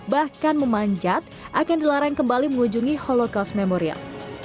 bahkan memanjat akan dilarang kembali mengunjungi holocaust memorial